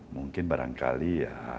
mungkin barangkali ya